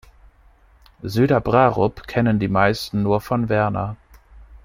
Süderbrarup kennen die meisten nur von Werner.